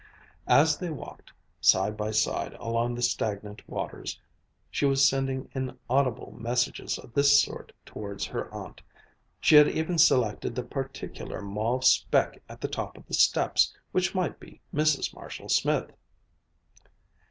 As they walked side by side along the stagnant waters, she was sending inaudible messages of this sort towards her aunt; she had even selected the particular mauve speck at the top of the steps which might be Mrs. Marshall Smith.